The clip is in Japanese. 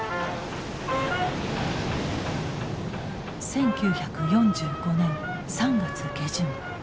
１９４５年３月下旬。